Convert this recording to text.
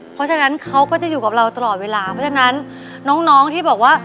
เพราะฉะนั้นเขาก็จะอยู่กับเราตลอดเวลาเพราะฉะนั้นน้องที่บอกว่า